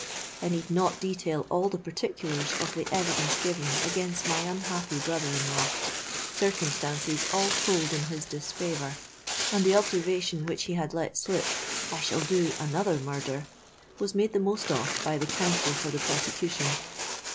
I need not detail all the particulars of the evidence given against my unhappy brother in law: circumstances all told in his disfavour, and the observation which he had let slip, 'I shall do another murder,' was made the most of by the counsel for the prosecution.